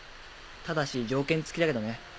ただし条件つきだけどね。